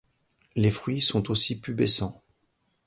Les fruits sont aussi pubescents.